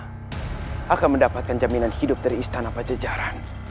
aku akan mendapatkan jaminan hidup dari istana pencejaran